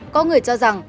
có người cho rằng